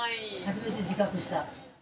初めて自覚した。